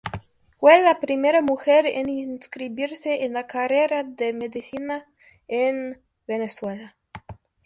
Fue la primera mujer en inscribirse en la carrera de medicina en Venezuela.